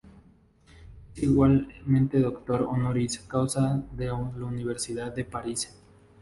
Es igualmente doctor honoris causa de la Universidad de París.